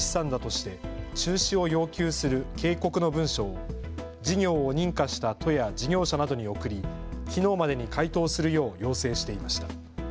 して中止を要求する警告の文書を事業を認可した都や事業者などに送り、きのうまでに回答するよう要請していました。